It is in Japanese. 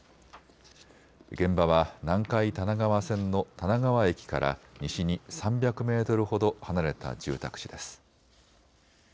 現場は南海多奈川線の多奈川駅から西に３００メートルほど離れた住宅地です。